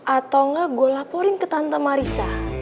atau engga gue laporin ke tante marissa